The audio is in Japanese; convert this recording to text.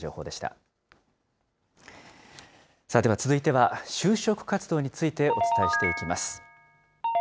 では続いては、就職活動についてお伝えしていきます。